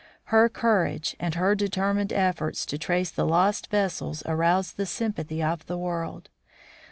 Her courage and her determined efforts to trace the lost vessels aroused the sympathy of the world.